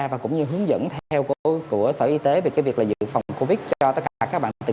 và cũng như hướng dẫn theo của sở y tế về cái việc là dự phòng covid cho tất cả các bạn tình